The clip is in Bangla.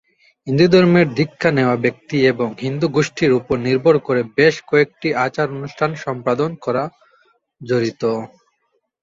হিন্দুধর্মে দীক্ষা নেওয়া ব্যক্তি এবং হিন্দু গোষ্ঠীর উপর নির্ভর করে বেশ কয়েকটি আচার অনুষ্ঠান সম্পাদন করা জড়িত।